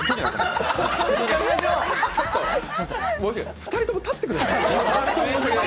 ２人とも立ってください。